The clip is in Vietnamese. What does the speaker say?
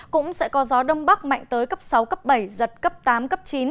cũng sẽ có gió đông bắc mạnh tới cấp sáu cấp bảy giật cấp tám cấp chín